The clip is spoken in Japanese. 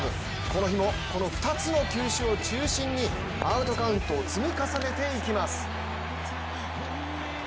この日もこの２つの球種を中心にアウトカウントを積み重ねていきます。